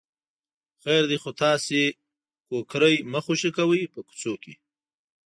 خیر دی خو تاسې کوکری مه خوشې کوئ په کوڅو کې.